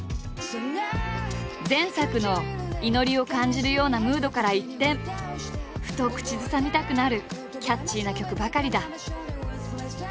前作の祈りを感じるようなムードから一転ふと口ずさみたくなるキャッチーな曲ばかりだ。